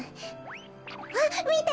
あっみて！